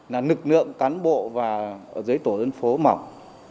nước lượng cán bộ và ở dưới tổ dân phố mỏng